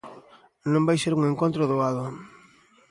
Non vai ser un encontro doado.